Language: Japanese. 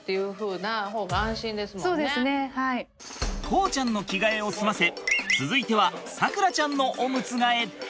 航ちゃんの着替えを済ませ続いては咲楽ちゃんのオムツ替えだ。